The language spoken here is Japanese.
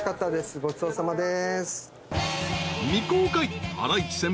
ごちそうさまです。